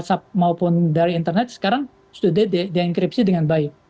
transaksi yang lewat itu baik whatsapp maupun dari internet sekarang sudah dienkripsi dengan baik